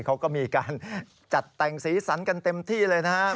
เขาก็มีการจัดแต่งสีสันกันเต็มที่เลยนะครับ